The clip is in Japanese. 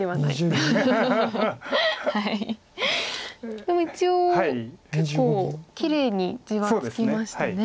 でも一応結構きれいに地はつきましたね。